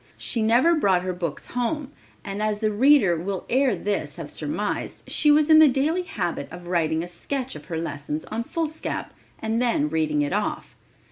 She never brought her books home and as the reader will ere this have surmised, she was in the daily habit of writing a sketch of her lesson on foolscap, and then reading it off.